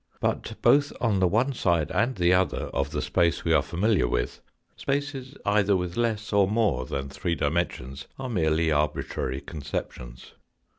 But, both on the one side and the other of the space we are familiar with, spaces either with less or more than three dimensions are merely arbitrary conceptions.